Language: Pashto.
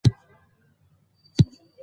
کیمیاګر د نړۍ په لسګونو ژبو کې خپور شو.